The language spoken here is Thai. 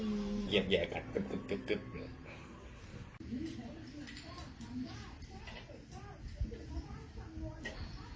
มี